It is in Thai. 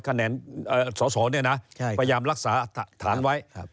คะแนนสอสอเนี่ยนะพยายามรักษาฐานไว้